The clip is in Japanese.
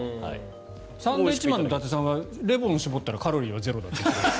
サンドウィッチマンの伊達さんはレモンを絞ったらカロリーはゼロだって。